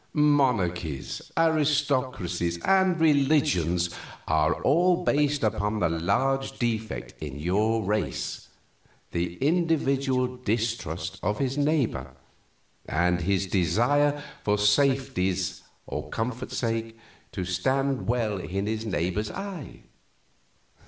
"Monarchies, aristocracies, and religions are all based upon that large defect in your race the individual's distrust of his neighbor, and his desire, for safety's or comfort's sake, to stand well in his neighbor's eye.